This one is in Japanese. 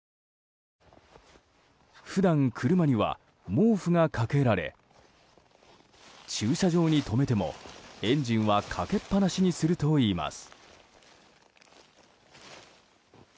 普段、車には毛布がかけられ駐車場に止めてもエンジンはかけっぱなしにするといいます。